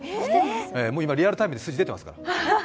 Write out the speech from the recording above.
もうリアルタイムで数字、出てますから。